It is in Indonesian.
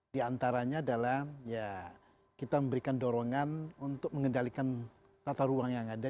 di antaranya adalah ya kita memberikan dorongan untuk mengendalikan tata ruang yang ada